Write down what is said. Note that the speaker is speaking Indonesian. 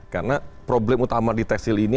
karena problem utama di tekstil ini